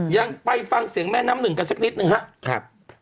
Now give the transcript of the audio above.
ยังไปฟังเสียงแม่น้ำหนึ่งกันสักนิดหนึ่งครับ